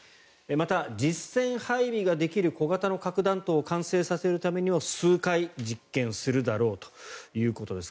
また、実戦配備ができる小型の核弾頭を完成させるためにも数回実験するだろうということです。